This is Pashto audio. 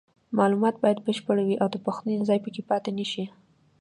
معلومات باید بشپړ وي او د پوښتنې ځای پکې پاتې نشي.